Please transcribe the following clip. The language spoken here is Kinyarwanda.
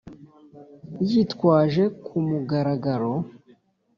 yitwaje ku mugaragaro